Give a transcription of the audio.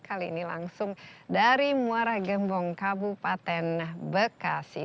kali ini langsung dari muaranggung kabupaten bekasi